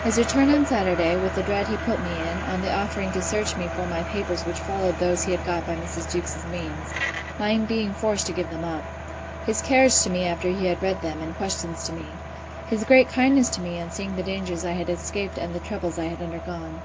His return on Saturday, with the dread he put me in, on the offering to search me for my papers which followed those he had got by Mrs. Jewkes's means. My being forced to give them up. His carriage to me after he had read them, and questions to me. His great kindness to me on seeing the dangers I had escaped and the troubles I had undergone.